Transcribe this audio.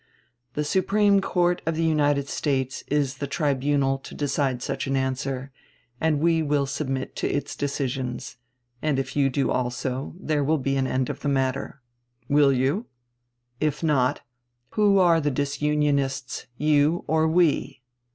The Supreme Court of the United States is the tribunal to decide such a question, and we will submit to its decisions; and if you do also, there will be an end of the matter. Will you? If not, who are the disunionists, you or we?